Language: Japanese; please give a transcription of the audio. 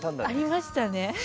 ありましたね。